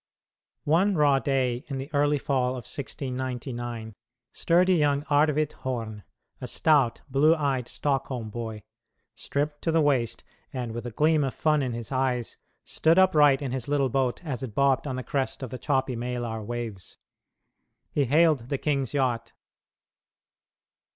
One raw day in the early fall of 1699, sturdy young Arvid Horn, a stout, blue eyed Stockholm boy, stripped to the waist, and with a gleam of fun in his eyes, stood upright in his little boat as it bobbed on the crest of the choppy Maelar waves. He hailed the king's yacht.